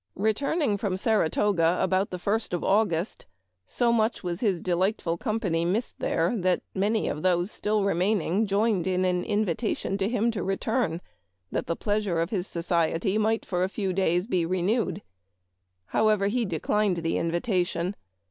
Returning from Saratoga about the first of August, so much was his delightful company missed there that many of those still remaining joined in an invitation to him to return, that the pleasure of his society might for a few days be renewed. He, however, declined the invita tion.